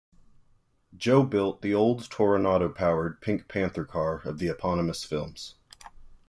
Joe built the Olds Toronado-powered Pink Panther car of the eponymous films.